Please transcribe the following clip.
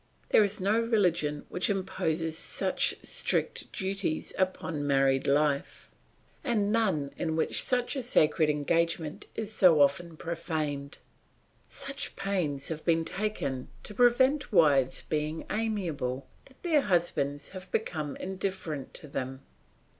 There is no religion which imposes such strict duties upon married life, and none in which such a sacred engagement is so often profaned. Such pains has been taken to prevent wives being amiable, that their husbands have become indifferent to them.